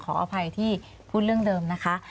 ขออภัยที่พูดเรื่องเดิมนะคะ